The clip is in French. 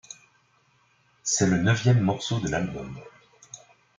C’est le neuvième morceau de l’album.